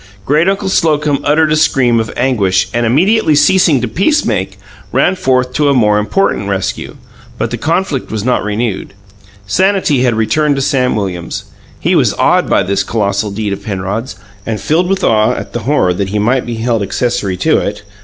Great uncle Slocum uttered a scream of anguish, and, immediately ceasing to peacemake, ran forth to a more important rescue; but the conflict was not renewed. Sanity had returned to Sam Williams; he was awed by this colossal deed of Penrod's and filled with horror at the thaught that he might be held as accessory to it.